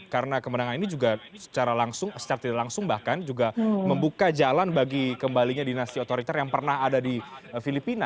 karena kemenangan ini juga secara langsung secara tidak langsung bahkan juga membuka jalan bagi kembalinya dinasti otoriter yang pernah ada di filipina